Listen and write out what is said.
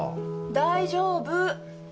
大丈夫。